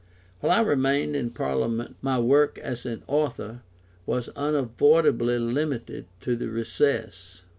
] While I remained in Parliament my work as an author was unavoidably limited to the recess.